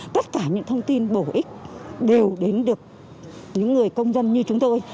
tất cả những thông tin bổ ích đều đến được những người công dân như chúng tôi